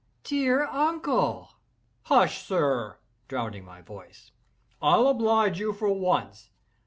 "Dear uncle!" "Hush, sir!" (drowning my voice)—"I'll oblige you for once.